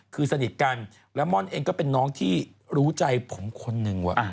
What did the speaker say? คือสนิทกันแล้วม่อนเองก็เป็นน้องที่รู้ใจผมคนหนึ่งว่ะ